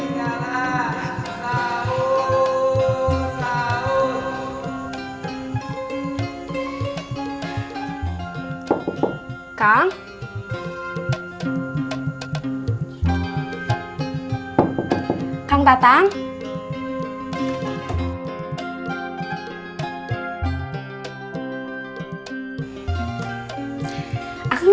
jangan sampai ketinggalan